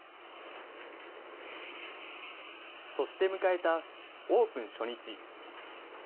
そして迎えたオープン初日。